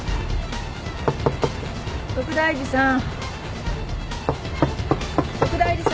徳大寺さん。